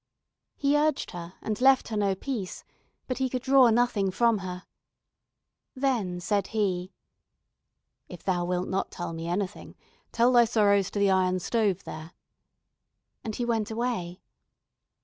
He urged her and left her no peace, but he could draw nothing from her. Then said he: "If thou wilt not tell me anything, tell thy sorrows to the iron stove there," and he went away.